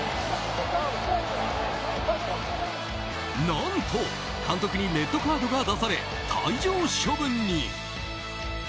何と、監督にレッドカードが出され退場処分に。